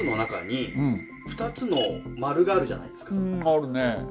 あるね。